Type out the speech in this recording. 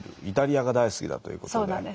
イタリアが大好きだということで。